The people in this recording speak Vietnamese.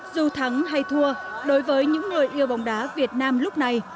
dù thắng hay thua đối với những người yêu bóng đá việt nam lúc này